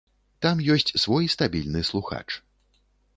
Там ёсць свой стабільны слухач.